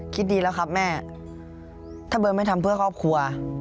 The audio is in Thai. คิดดีแล้วครับแม่ถ้าเบิร์นไม่ทำเพื่อครอบครัว